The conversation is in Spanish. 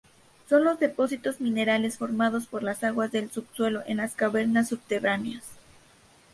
Son los depósitos minerales formados por las aguas del subsuelo en las cavernas subterráneas.